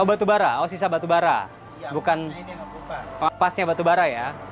oh batu bara oh sisa batu bara bukan pasnya batu bara ya